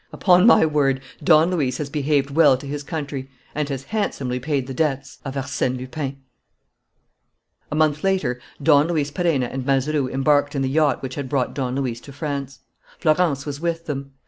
Upon my word, Don Luis has behaved well to his country, and has handsomely paid the debts of Arsène Lupin!" A month later Don Luis Perenna and Mazeroux embarked in the yacht which had brought Don Luis to France. Florence was with them.